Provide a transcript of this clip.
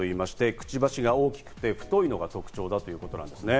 くちばしが大きくて太いのが特徴だということですね。